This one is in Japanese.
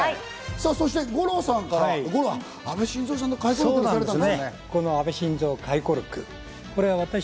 そして五郎さんから、安倍晋三さんの回顧録が出たんですね。